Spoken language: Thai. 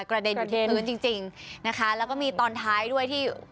กระเด็นอยู่ที่พื้นจริงจริงนะคะแล้วก็มีตอนท้ายด้วยที่